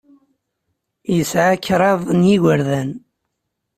Yesɛa kraḍ n yigerdan.